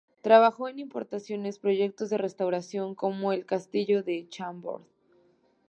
Trabajó en importantes proyectos de restauración, como el del castillo de Chambord.